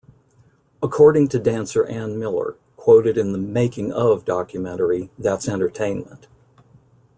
According to dancer Ann Miller, quoted in the "making-of" documentary "That's Entertainment!